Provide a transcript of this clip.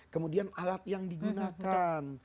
kemudian alat yang digunakan